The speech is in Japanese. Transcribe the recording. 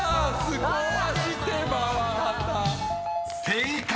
［正解！］